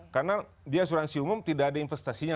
karena di asuransi umum tidak ada investasinya